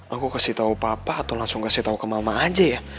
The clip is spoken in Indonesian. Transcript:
aku kasih tahu papa atau langsung kasih tahu ke mama aja ya